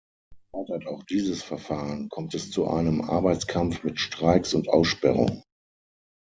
Scheitert auch dieses Verfahren, kommt es zu einem Arbeitskampf mit Streiks und Aussperrung.